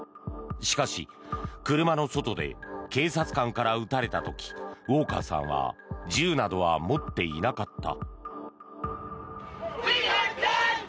しかし、車の外で警察官から撃たれた時ウォーカーさんは銃などは持っていなかった。